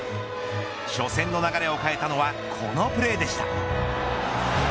初戦の流れを変えたのはこのプレーでした。